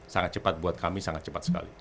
sangat cepat buat kami sangat cepat sekali